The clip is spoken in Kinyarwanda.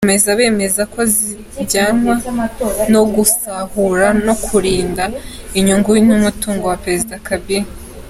Bakomeza bemeza ko zijyanwa no gusahura no kurinda inyungu n’umutungo wa Perezida Kabila.